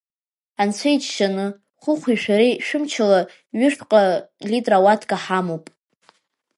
Анцәа иџьшьаны, Хәыхәеи шәареи шәымчала, ҩышәҟа литра ауатка ҳамоуп.